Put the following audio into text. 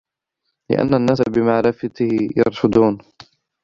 لِأَنَّ النَّاسَ بِمَعْرِفَتِهِ يَرْشُدُونَ